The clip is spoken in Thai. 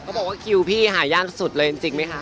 บอกว่าคิวพี่หายากสุดเลยจริงไหมคะ